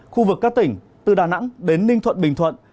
khu vực các tỉnh từ đà nẵng đến ninh thuận bình thuận